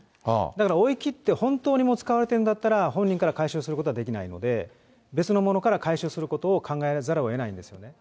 だから追い切って、本当にもう使われているんだったら、本人から回収することはできないので、別のものから回収することを考えざるをえないんですよね。